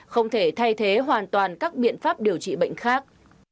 không thể thay thế hoàn toàn các biện pháp điều trị bệnh khác